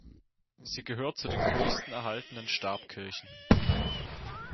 Sie gehört zu den größten erhaltenen Stabkirchen.